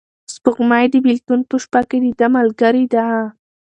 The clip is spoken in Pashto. سپوږمۍ د بېلتون په شپه کې د ده ملګرې ده.